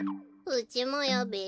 うちもよべ。